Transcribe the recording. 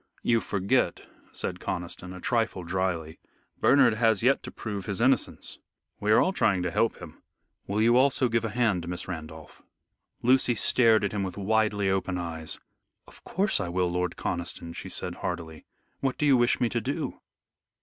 "You forget," said Conniston, a trifle dryly, "Bernard has yet to prove his innocence. We are all trying to help him. Will you also give a hand, Miss Randolph?" Lucy stared at him with widely open eyes. "Of course I will, Lord Conniston," she said heartily. "What do you wish me to do?"